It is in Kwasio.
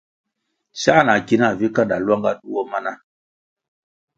Sā na ki nah vi kanda lwanga duo mana.